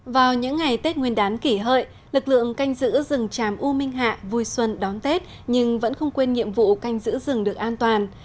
vào những ngày tết nguyên đán kỷ hợi lực lượng canh giữ rừng tràm u minh hạ vui xuân đón tết nhưng vẫn không quên nhiệm vụ canh giữ rừng được an toàn